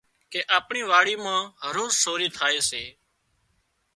ڪي آپڻي واڙي مان هروز سوري ٿائي سي